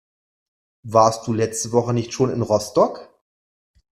Warst du letzte Woche nicht schon in Rostock?